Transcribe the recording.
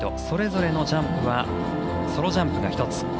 それぞれのジャンプはソロジャンプの１つ。